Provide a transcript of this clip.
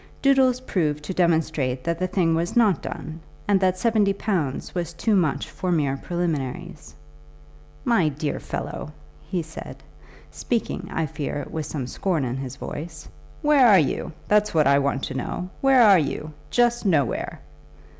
Doodles proved to demonstration that the thing was not done, and that seventy pounds was too much for mere preliminaries. "My dear fellow," he said, speaking I fear with some scorn in his voice, "where are you? That's what I want to know. Where are you? Just nowhere."